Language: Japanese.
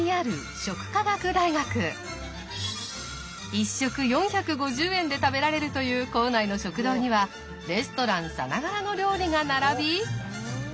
１食４５０円で食べられるという校内の食堂にはレストランさながらの料理が並び。